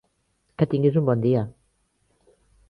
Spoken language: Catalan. Que tinguis un bon dia.